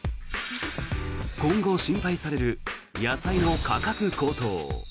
今後、心配される野菜の価格高騰。